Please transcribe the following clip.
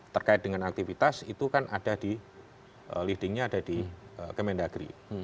terkait dengan aktivitas itu kan ada di leadingnya ada di kemendagri